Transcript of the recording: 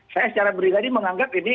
saya secara pribadi menganggap ini